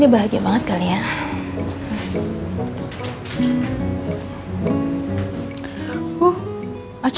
ada yang bayi dengan harga living pocketratos